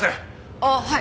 あっはい。